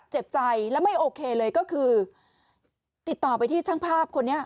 เจ็บใจแล้วไม่โอเคเลยก็คือติดต่อไปที่ช่างภาพคนนี้